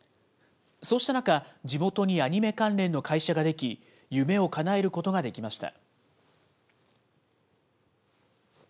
そうした中、地元にアニメ関連の会社が出来、夢をかなえることができました。